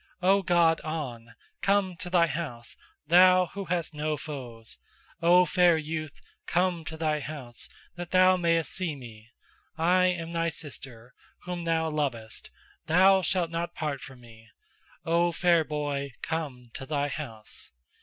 O god On! come to thy house, thou who hast no foes. O fair youth, come to thy house, that thou mayest see me. I am thy sister, whom thou lovest; thou shalt not part from me. O fair boy, come to thy house.